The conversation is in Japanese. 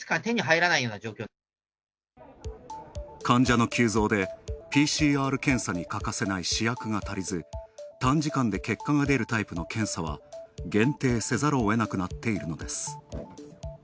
患者の急増でＰＣＲ検査に欠かせない試薬が足りず短時間で結果が出るタイプの検査は限定せざるをえなくなっているのです。